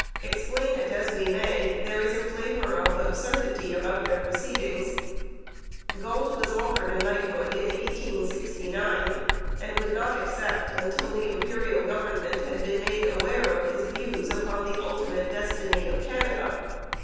Explain it as we may, there is a flavour of absurdity about their proceedings. Galt was offered a knighthood in 1869, and would not accept until the Imperial government had been made aware of his views upon the ultimate destiny of Canada.